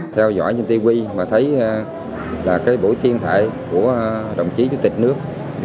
theo dõi trên tv thấy bộ tiên thệ của đồng chí chủ tịch nước